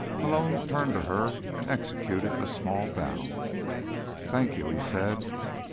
Malone turned to her and executed a small bow. "Thank you," he said.